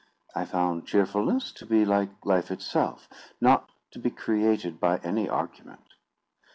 I found cheerfulness to be like life itself—not to be created by any argument.